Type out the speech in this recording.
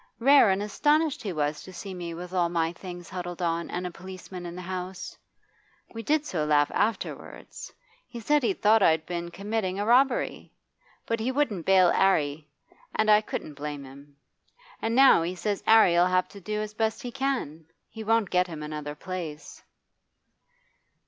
Rare and astonished he was to see me with all my things huddled on and a policeman in the house. We did so laugh afterwards; he said he thought I'd been committing a robbery. But he wouldn't bail 'Arry, and I couldn't blame him. And now he says 'Arry 'll have to do as best he can. He won't get him another place.